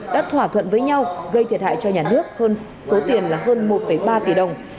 đã thỏa thuận với nhau gây thiệt hại cho nhà nước hơn số tiền là hơn một ba tỷ đồng